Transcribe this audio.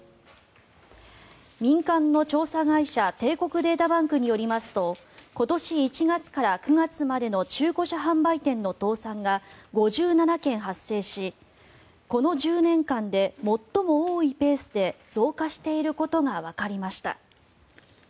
民間の調査会社帝国データバンクによりますと今年１月から９月までの中古車販売店の倒産が５７件発生しこの１０年間で最も多いペースで増加していることがわかりました。